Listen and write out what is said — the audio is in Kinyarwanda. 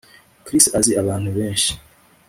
Chris azi abantu benshi